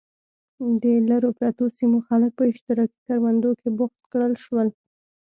د لرو پرتو سیمو خلک په اشتراکي کروندو کې بوخت کړل شول.